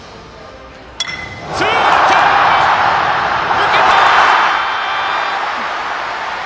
抜けた！